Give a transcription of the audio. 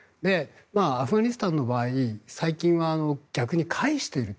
アフガニスタンの場合最近は逆に帰している。